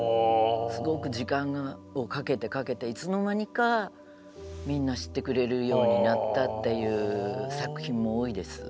すごく時間をかけてかけていつの間にかみんな知ってくれるようになったっていう作品も多いです。